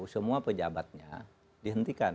semua pejabatnya dihentikan